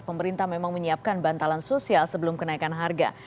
pemerintah memang menyiapkan bantalan sosial sebelum kenaikan harga